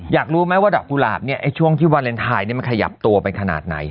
อยากรู้ไหมว่าดอกกุหลาบช่วงที่วาเลนไทยมันขยับตัวไปขนาดไหน